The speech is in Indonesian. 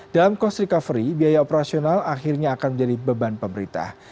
dalam cost recovery biaya operasional akhirnya akan menjadi beban pemerintah